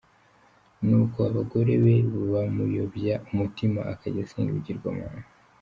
Nuko abagore be bamuyobya umutima akajya asenga ibigirwamana .